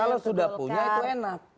kalau sudah punya itu enak